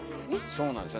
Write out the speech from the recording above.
そうなんですよ。